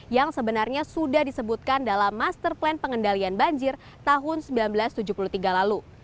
yang sebenarnya sudah disebutkan dalam master plan pengendalian banjir tahun seribu sembilan ratus tujuh puluh tiga lalu